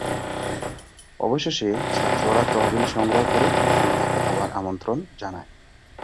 অবশেষে, ছাত্ররা তহবিল সংগ্রহ করে এবং তাকে আবার আমন্ত্রণ জানায়।